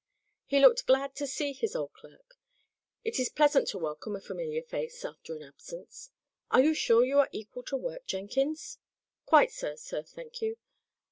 He looked glad to see his old clerk. It is pleasant to welcome a familiar face after an absence. "Are you sure you are equal to work, Jenkins?" "Quite so, sir, thank you.